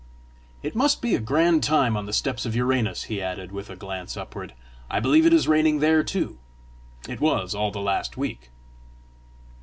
It must be a grand time on the steppes of Uranus!" he added, with a glance upward; "I believe it is raining there too; it was, all the last week!"